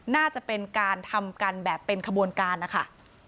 น่าจะเป็นการทำกันแบบเป็นขบวนการนะคะ